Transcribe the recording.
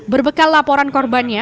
berbekal laporan korban